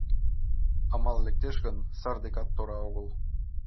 Амал лектеш гын, сар декат тора огыл.